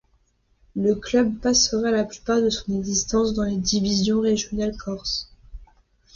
Le club passera la plupart de son existence dans les divisions régionales corses.